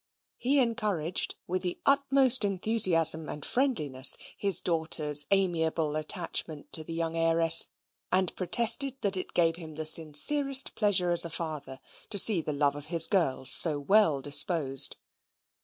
He encouraged, with the utmost enthusiasm and friendliness, his daughters' amiable attachment to the young heiress, and protested that it gave him the sincerest pleasure as a father to see the love of his girls so well disposed.